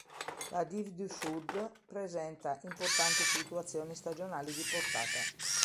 La Dive du Sud presenta importanti fluttuazioni stagionali di portata.